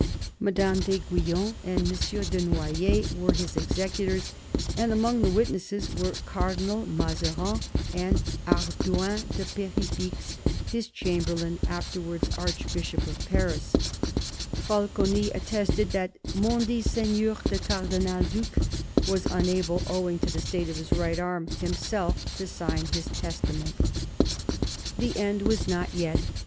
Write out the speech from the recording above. Madame d'Aiguillon and M. de Noyers were his executors, and among the witnesses were Cardinal Mazarin and Hardouin de Per6fixe, his chamberlain, afterwards Archbishop of Paris. Falconis attested that " mondit seigneur le Cardinal Due" was unable, owing to the state of his right arm, himself to sign his testament. 286 CARDINAL DE RICHELIEU The end was not yet.